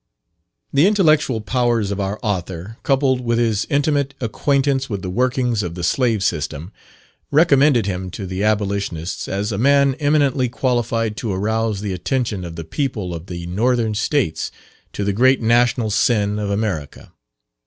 The intellectual powers of our author, coupled with his intimate acquaintance with the workings of the slave system, recommended him to the Abolitionists as a man eminently qualified to arouse the attention of the people of the Northern States to the great national sin of America.